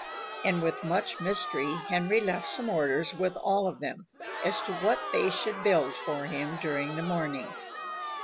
And with much mystery Henry left some orders with all of them, as to what they should build for him during the morning.